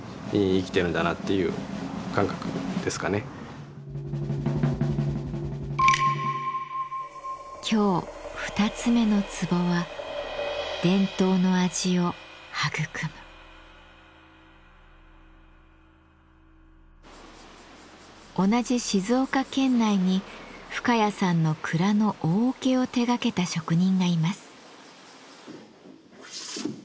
やっぱり今日２つ目の壺は同じ静岡県内に深谷さんの蔵の大桶を手がけた職人がいます。